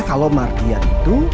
kalau mardian itu